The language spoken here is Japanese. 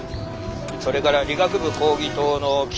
それから理学部講義棟の北側